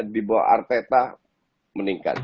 dibawa arteta meningkat